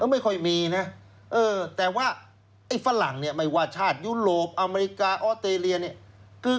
ไม่ค่อยมีนะแต่ว่าไอ้ฝรั่งเนี่ยไม่ว่าชาติยุโรปอเมริกาออสเตรเลียเนี่ย